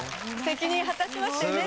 責任果たしましたよね。